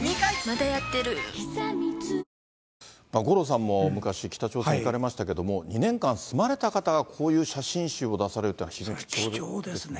五郎さんも昔、北朝鮮行かれましたけれども、２年間、住まれた方が、こういう写真集を出されるっていうのは非常に。